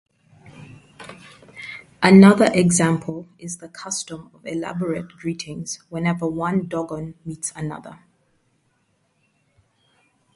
Another example is the custom of elaborate greetings whenever one Dogon meets another.